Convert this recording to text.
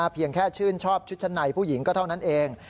เพียงแค่ชื่นชอบชุดชั้นในผู้หญิงก็เท่านั้นเอง